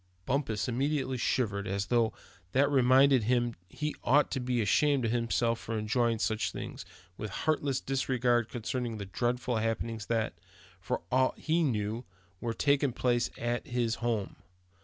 Bumpus immediately shivered, as though that reminded him he ought to be ashamed of himself to be enjoying such things, with heartless disregard concerning the dreadful happenings that, for aught he knew, were taking place at his home.